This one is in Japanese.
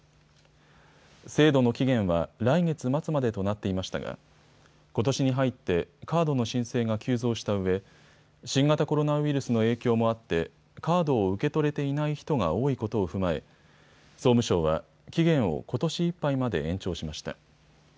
制度の期限は来月末までとなっていましたがことしに入ってカードの申請が急増したうえ、新型コロナウイルスの影響もあってカードを受け取れていない人が多いことを踏まえ総務省は期限をことしいっぱいまで延長しました。